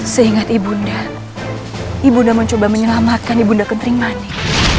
seingat ibu nda ibu nda mencoba menyelamatkan ibu nda kentering manik